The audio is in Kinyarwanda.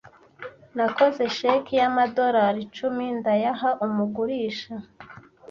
Nakoze cheque y'amadorari icumi ndayaha umugurisha.